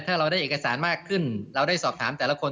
ถ้าเราได้เอกสารมากขึ้นเราได้สอบถามแต่ละคน